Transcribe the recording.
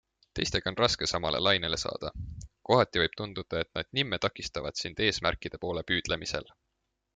Teistega on raske samale lainele saada, kohati võib tunduda, et nad nimme takistavad sind eesmärkide poole püüdlemisel.